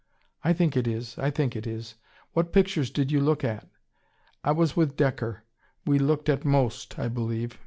"I think it is. I think it is. What pictures did you look at?" "I was with Dekker. We looked at most, I believe."